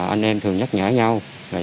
anh em thường nhắc nhở nhau